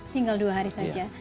tinggal dua hari saja